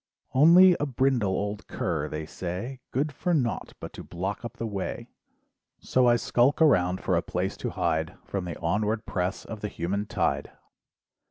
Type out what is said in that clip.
"Only a "brindle old cur" they say, "Good for naught but to block up the way, "So I skulk around for a place to hide "From the onward press of the human tide.